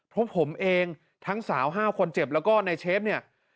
เพราะผมเองทั้งสาว๕คนเจ็บแล้วก็ในเชฟเนี่ย